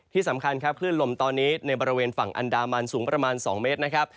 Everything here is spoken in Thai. ที่สำคัญครับคลื่นลมตอนนี้ในบริเวณฝั่งอันดามันสูงประมาณ๒เมตรนะครับ